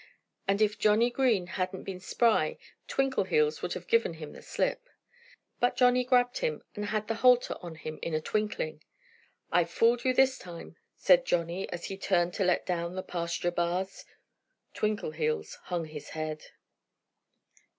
And if Johnnie Green hadn't been spry Twinkleheels would have given him the slip. But Johnnie grabbed him and had the halter on him in a twinkling. "I fooled you this time," said Johnnie as he turned to let down the pasture bars. Twinkleheels hung his head.